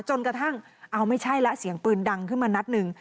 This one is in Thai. จนกระทั่งเอาไม่ใช่แล้วเสียงปืนดังขึ้นมานัดหนึ่ง